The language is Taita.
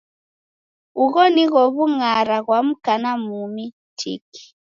Ugho nigho w'ungara ghwa mka na mumi tiki.